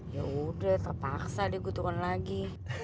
yaudah terpaksa deh gue tukeran lagi